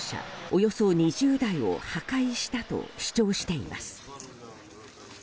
およそ２０台を破壊したと主張しています。